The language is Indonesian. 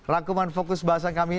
rangkuman fokus bahasa kami